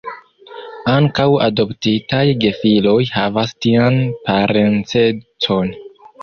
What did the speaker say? Ankaŭ adoptitaj gefiloj havas tian parencecon.